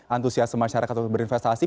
antusiasi masyarakat untuk berinvestasi